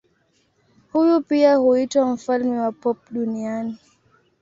Huyu pia huitwa mfalme wa pop duniani.